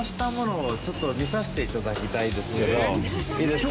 「いいですか？」